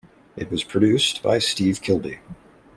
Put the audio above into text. It was produced by Steve Kilbey.